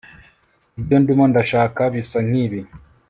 ibyo ndimo ndashaka bisa nkibi